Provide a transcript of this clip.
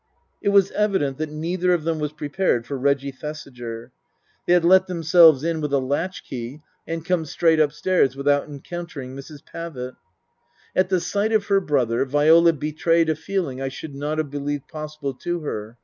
It was evident that neither of them was prepared for Reggie Thesiger. They had let themselves in with a latch Book I : My Book 41 key and come straight upstairs without encountering Mrs. Pavitt. At the sight of her brother Viola betrayed a feeling I should not have believed possible to her.